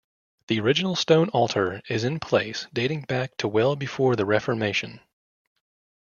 The original stone altar is in place, dating back to well before the Reformation.